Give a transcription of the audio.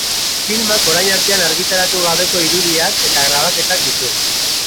Filmak orain artean argitaratu gabeko irudiak eta grabaketak ditu.